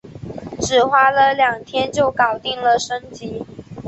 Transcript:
只花了两天就搞定了升级